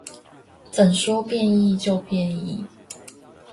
怎說變異就變異